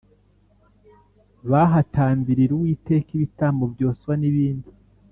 bahatambirira uwiteka ibitambo byoswa n ibindi